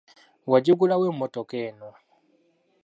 Wagigula wa emmotoka eno?